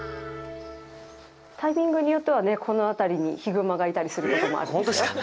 タイミングによってはこの辺りにヒグマがいたりすることもあるんですよ。